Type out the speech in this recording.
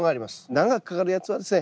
長くかかるやつはですね